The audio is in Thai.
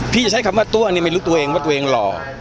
จะใช้คำว่าตัวนี่ไม่รู้ตัวเองว่าตัวเองหล่อ